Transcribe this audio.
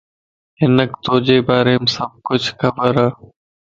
مانکَ توجي باريم سڀ کڇ خبرَ